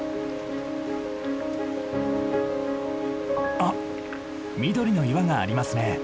あっ緑の岩がありますね。